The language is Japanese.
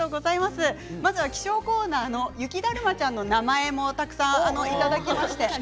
まず気象コーナーの雪だるまちゃんの名前もたくさん、いただきました。